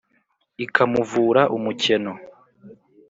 ikamuvura umukeno.